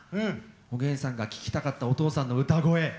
おげんさんが聴きたかったお父さんの歌声。